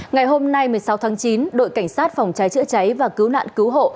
ngày hôm nay một mươi sáu tháng chín đội cảnh sát phòng cháy chữa cháy và cứu nạn cứu hộ